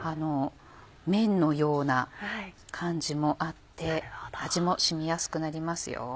麺のような感じもあって味も染みやすくなりますよ。